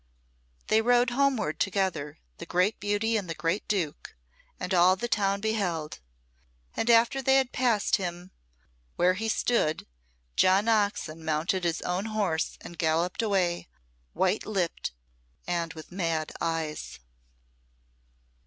They rode homeward together, the great beauty and the great duke, and all the town beheld; and after they had passed him where he stood, John Oxon mounted his own horse and galloped away, white lipped and with mad eyes.